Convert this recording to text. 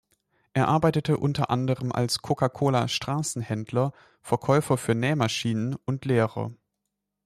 Er arbeitete unter anderem als Coca-Cola-Straßenhändler, Verkäufer für Nähmaschinen und Lehrer.